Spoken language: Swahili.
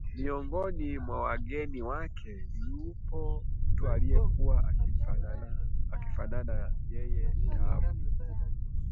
Miongoni mwa wageni wake, yupo mtu aliyekuwa akimfanana yeye Taabu